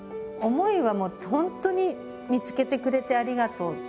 思いはもう本当に見つけてくれてありがとう。